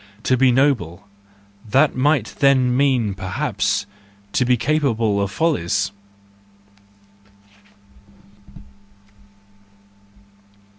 To be noble—that might then mean, perhaps, to be capable of follies.